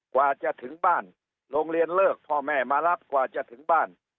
กว่าจะถึงบ้านโรงเรียนเลิกพ่อแม่มารับกว่าจะถึงบ้าน